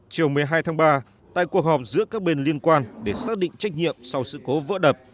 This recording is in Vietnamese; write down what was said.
chiều một mươi hai tháng ba tại cuộc họp giữa các bên liên quan để xác định trách nhiệm sau sự cố vỡ đập